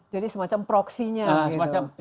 jadi semacam proksinya gitu